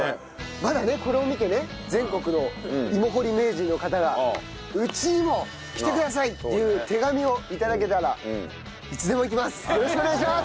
まだねこれを見てね全国の芋掘り名人の方がうちにも来てくださいっていう手紙を頂けたらいつでも行きます。